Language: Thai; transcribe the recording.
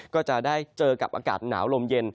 ก็จะได้เจอกับอากาศหนาวลมเย็น